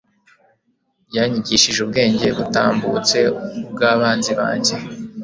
yanyigishije ubwenge butambutse ubw'abanzi banjye